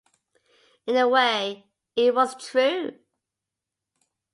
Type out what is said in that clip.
In a way, it was true.